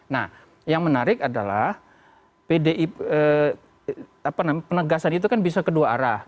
nah yang menarik adalah pdi penegasan itu kan bisa kedua arah